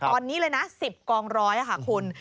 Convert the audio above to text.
ตอนนี้เลยนะ๑๐กองร้อยค่ะคุณ